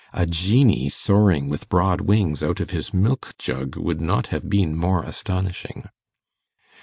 A genie soaring with broad wings out of his milkjug would not have been more astonishing.